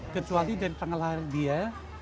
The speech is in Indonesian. kecuali dari tanggal lahir dia